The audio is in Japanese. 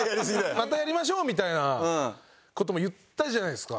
「またやりましょう」みたいな事も言ったじゃないですか。